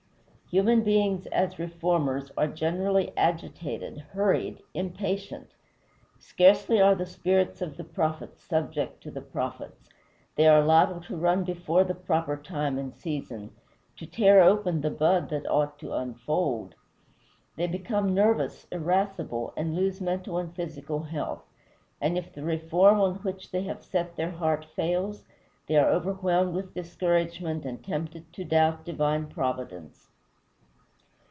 Human beings as reformers are generally agitated, hurried, impatient. Scarcely are the spirits of the prophets subject to the prophets. They are liable to run before the proper time and season, to tear open the bud that ought to unfold; they become nervous, irascible, and lose mental and physical health: and, if the reform on which they have set their heart fails, they are overwhelmed with discouragement and tempted to doubt divine Providence.